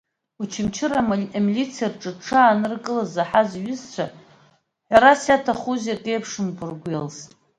Очамчыра амилициа рҿы дшааныркылаз заҳаз иҩызцәа, ҳәарас иаҭахузеи, акы еиԥшымкәа ргәы иалсит.